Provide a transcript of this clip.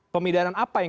pemindahan apa yang